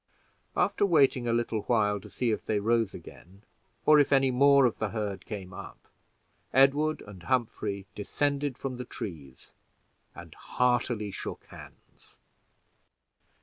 After waiting a little while to see if they rose again, or if any more of the herd came up, Edward and Humphrey descended from the trees and heartily shook hands.